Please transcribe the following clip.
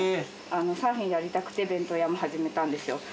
サーフィンやりたくって弁当屋も始めたんですよ。